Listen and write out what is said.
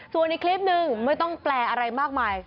ส่วนอีกคลิปหนึ่งไม่ต้องแปลอะไรมากมาย